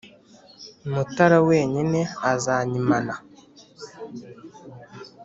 Mutara wenyine azanyimana.